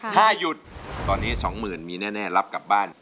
ถ้ายุดตอนนี้สองหมื่นมีแน่รับกลับบ้าน